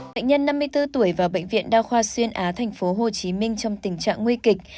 bệnh nhân năm mươi bốn tuổi vào bệnh viện đa khoa xuyên á thành phố hồ chí minh trong tình trạng nguy kịch